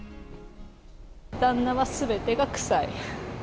旦那はすべてが臭い。